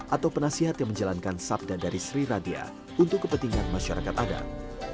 atau penasihat yang menjalankan sabda dari sri radia untuk kepentingan masyarakat adat